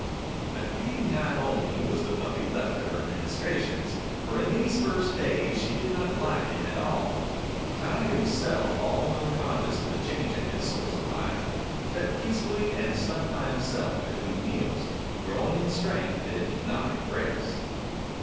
At feeding time only was the puppy left to her ministrations, for in these first days she did not like him at all. Tige himself, all unconscious of the change in his source of life, fed peacefully and slept by him self between meals, growing in strength if not in grace.